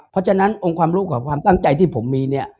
เพราะฉะนั้นองค์ความรู้กับความตั้งใจที่ผมมีเนี่ย